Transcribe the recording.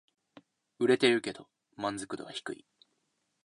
売れてるけど満足度は低い